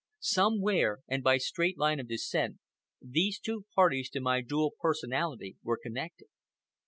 Somewhere, and by straight line of descent, these two parties to my dual personality were connected.